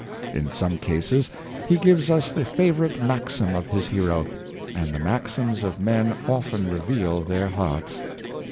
In some cases he gives us the favorite maxim of his hero; and the maxims of men often reveal their hearts.